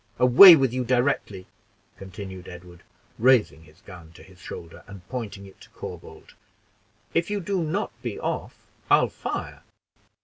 Away with you directly," continued Edward, raising his gun to his shoulder and pointing it at Corbould; "if you do not be off, I'll fire."